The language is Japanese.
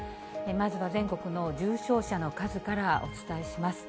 まずは全国の重症者の数からお伝えします。